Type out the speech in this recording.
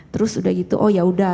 terus udah gitu oh ya udah